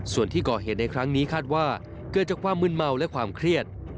ส่วนที่ก่อเหตุในครั้งนี้คาดว่าเกิดจากความมืนเมาและความเครียด